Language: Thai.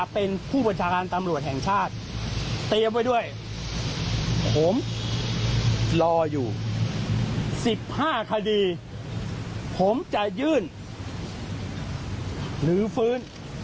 ผมลองอยู่๑๕คดีผมจะยื่นหรือฟื้น